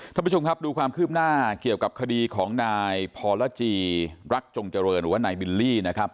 ท่านผู้ชมครับดูความคืบหน้าเกี่ยวกับคดีของนายพรจีรักจงเจริญหรือว่านายบิลลี่นะครับ